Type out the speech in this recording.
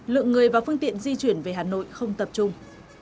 lượng người và phương tiện di chuyển về hà nội không tập trung